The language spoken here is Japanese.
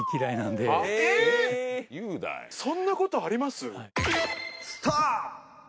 そんなことあります？